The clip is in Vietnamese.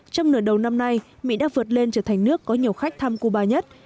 trong nửa đầu năm nay mỹ đã vượt lên trở thành nước có nhiều khách thăm cuba nhất